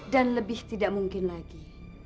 dan lebih tidak mungkin lagi